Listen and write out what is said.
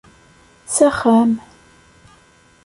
S axxam.